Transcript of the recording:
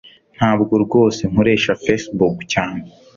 Ntabwo rwose nkoresha Facebook cyane